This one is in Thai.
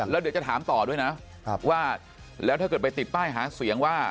แล้วเดี๋ยวจะถามต่อด้วยนะว่าแล้วถ้าเกิดไปติดป้ายหาเสียงว่า